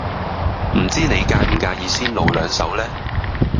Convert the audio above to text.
唔知你介唔介意先露兩手呢？